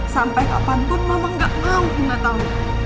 sampai kapanpun mama gak mau bunga tahu